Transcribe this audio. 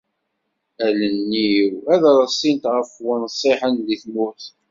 Allen-iw ad reṣṣint ɣef wunṣiḥen di tmurt.